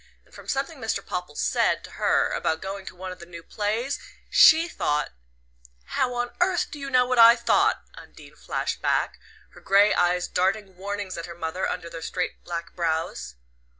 And from something Mr. Popple said to her about going to one of the new plays, she thought " "How on earth do you know what I thought?" Undine flashed back, her grey eyes darting warnings at her mother under their straight black brows.